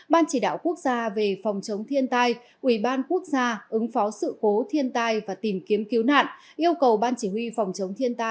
ban chỉ đạo quốc gia về phòng chống thiên tai ủy ban quốc gia ứng phó sự cố thiên tai và tìm kiếm cứu nạn